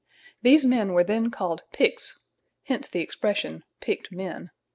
These men were then called Picts, hence the expression "picked men."